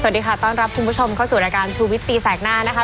สวัสดีค่ะต้อนรับคุณผู้ชมเข้าสู่รายการชูวิตตีแสกหน้านะคะ